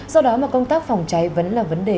do đó mà công tác phòng cháy vẫn là vấn đề